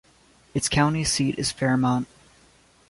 Its county seat is Fairmont.